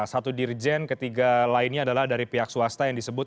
satu dirjen ketiga lainnya adalah dari pihak swasta yang disebut